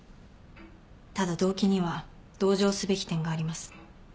ただ動機には同情すべき点があります。